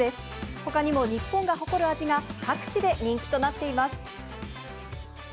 ほかにも日本が誇る味が各地で人気となっています。